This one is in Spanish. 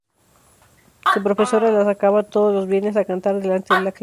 Su profesora la sacaba todos los viernes a cantar delante de la clase.